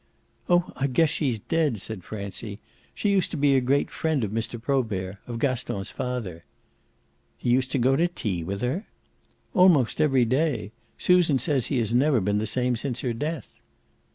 "Oh I guess she's dead," said Francie. "She used to be a great friend of Mr. Probert of Gaston's father." "He used to go to tea with her?" "Almost every day. Susan says he has never been the same since her death."